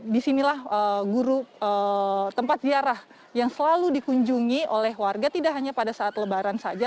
disinilah guru tempat ziarah yang selalu dikunjungi oleh warga tidak hanya pada saat lebaran saja